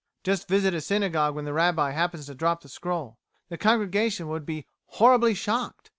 Just visit a synagogue when the Rabbi happens to drop the scroll. The congregation would be "horribly shocked."